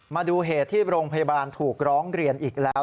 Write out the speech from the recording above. มาดูเหตุที่โรงพยาบาลถูกร้องเรียนอีกแล้ว